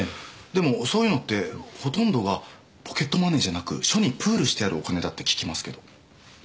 でもそういうのってほとんどがポケットマネーじゃなく署にプールしてあるお金だって聞きますけど。